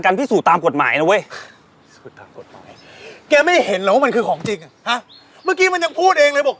การพิสูจน์ตามกฎหมายนะเว้ยแกไม่เห็นเหรอว่ามันคือของจริงฮะเมื่อกี้มันยังพูดเองเลยบอก